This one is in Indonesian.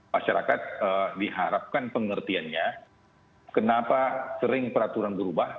masyarakat diharapkan pengertiannya kenapa sering peraturan berubah